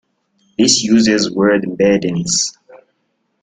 This uses word embeddings.